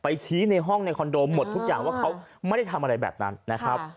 ชี้ในห้องในคอนโดหมดทุกอย่างว่าเขาไม่ได้ทำอะไรแบบนั้นนะครับ